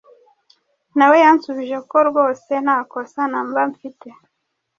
Nawe yansubije ko rwose nta kosa na mba mfite